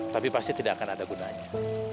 tapi pasti tidak akan ada gunanya